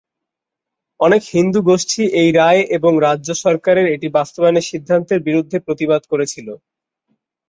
অনেক হিন্দু গোষ্ঠী এই রায় এবং রাজ্য সরকারের এটি বাস্তবায়নের সিদ্ধান্তের বিরুদ্ধে প্রতিবাদ করেছিল।